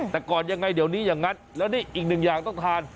แต่ก่อนยังไงเดี๋ยวนี้อย่างนั้นแล้วนี่อีกหนึ่งอย่างต้องทาน